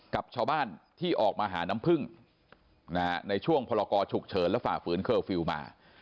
กับชาวบ้านที่ออกมาหาน้ำพึ่งในช่วงพลกรฉุกเฉินและฝ่าฝืนเคอร์ฟิลล์มา